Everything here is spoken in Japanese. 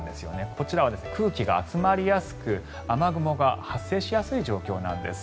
こちらは空気が集まりやすく雨雲が発生しやすい状況なんです。